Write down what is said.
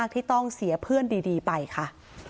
ที่ต้องเสียเพื่อนดีไปค่ะ